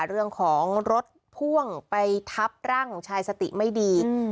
เรื่องของรถพ่วงไปทับร่างของชายสติไม่ดี